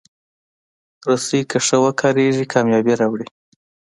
رسۍ که ښه وکارېږي، کامیابي راوړي.